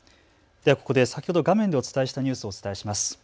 ではここで先ほど画面でお伝えしたニュースをお伝えします。